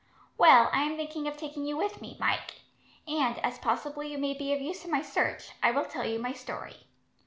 "Well, I am thinking of taking you with me, Mike; and, as possibly you may be of use in my search, I will tell you my story."